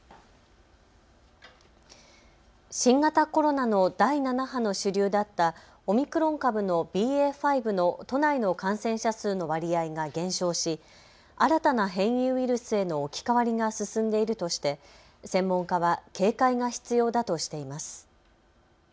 新型コロナの第７波の主流だったオミクロン株のＢＡ．５の都内の感染者数の割合が減少し新たな変異ウイルスへの置き換わりが進んでいるとして専門家は警戒が必要だとしています。